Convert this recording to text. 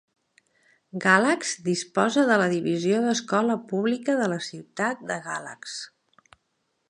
Galax disposa de la divisió d'escola pública de la ciutat de Galax.